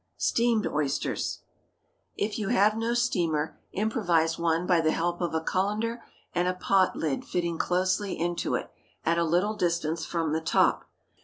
STEAMED OYSTERS. If you have no steamer, improvise one by the help of a cullender and a pot lid fitting closely into it, at a little distance from the top.